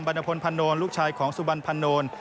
รณพลพันโนลูกชายของสุบันพันโนน